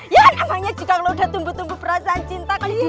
ya namanya jika lo udah tumbuh tumbuh perasaan cinta kali ya